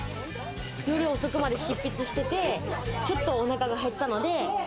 夜遅くまで執筆してて、ちょっとお腹が減ったので。